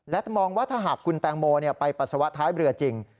และมองว่าถ้าหากคุณแตงโมไปปัสสาวะท้ายเรือจริง